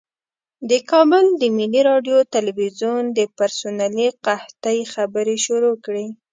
د کابل د ملي راډیو تلویزیون د پرسونلي قحطۍ خبرې شروع کړې.